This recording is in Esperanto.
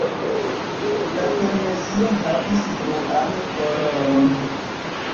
La permesilo havis bluan koloron.